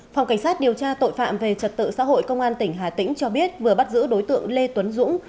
phòng cảnh sát điều tra tội phạm về trật tự xã hội công an tỉnh hà tĩnh cho biết vừa bắt giữ đối tượng lê tuấn dũng